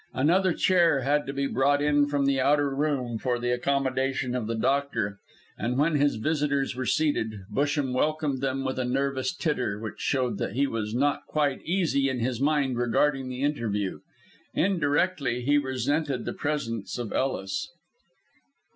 Another chair had to be brought in from the outer room for the accommodation of the doctor, and when his visitors were seated, Busham welcomed them with a nervous titter, which showed that he was not quite easy in his mind regarding the interview. Indirectly he resented the presence of Ellis.